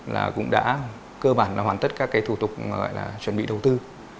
là cũng đã cơ bản hoàn tất các thủ tục chuẩn bị đầu tư